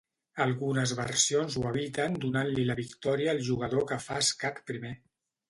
Algunes versions ho eviten donant-li la victòria al jugador que fa escac primer.